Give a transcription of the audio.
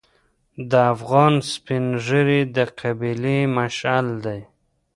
د افغان سپین ږیری د قبیلې مشعل دی.